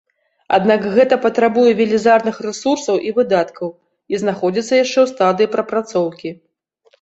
Аднак гэта патрабуе велізарных рэсурсаў і выдаткаў і знаходзіцца яшчэ ў стадыі прапрацоўкі.